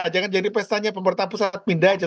jangan jadi pestanya pemerintah pusat pindah aja